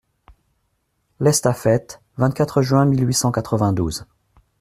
L'ESTAFETTE, vingt-quatre juin mille huit cent quatre-vingt-douze.